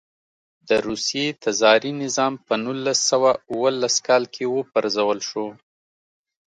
د روسیې تزاري نظام په نولس سوه اوولس کال کې و پرځول شو.